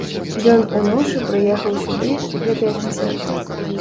Ён уночы прыехаў сюды, гэты афіцэр.